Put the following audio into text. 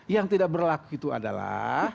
yang tidak berlaku itu adalah